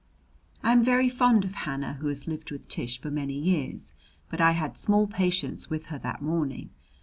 I am very fond of Hannah, who has lived with Tish for many years; but I had small patience with her that morning.